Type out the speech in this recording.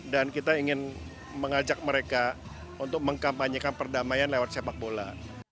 dan kita ingin mengajak mereka untuk mengkampanyekan perdamaian lewat sepak bola